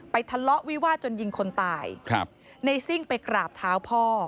ไปทะเลาะวิวาจนยิงคนตายนายซิ่งไปกราบเท้าพ่อ